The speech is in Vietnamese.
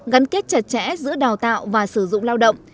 gắn kết chặt chẽ giữa đào tạo và sử dụng lao động